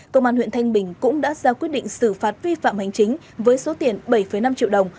công an huyện thanh bình cũng đã ra quyết định xử phạt vi phạm hành chính với số tiền bảy năm triệu đồng